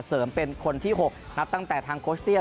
เสริมเป็นคนที่๖ครับตั้งแต่ทางโคชเตีย